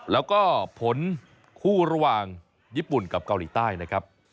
แล้วก็ผลคู่ระหว่างญี่ปุ่นกับเกาหลีใต้นะครับ